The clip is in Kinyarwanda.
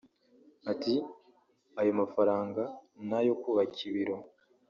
Ati “Ayo mafaranga ni ayo kubaka ibiro